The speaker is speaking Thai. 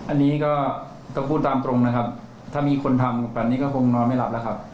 อันนี้ก็ต้องพูดตามตรงนะครับถ้ามีคนทำแบบนี้ก็คงนอนไม่หลับแล้วครับ